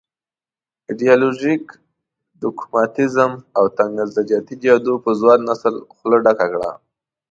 ایډیالوژيک ډوګماتېزم او تنګ نظریاتي جادو په ځوان نسل خوله ډکه کړه.